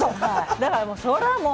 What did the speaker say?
だからもうそれはもう。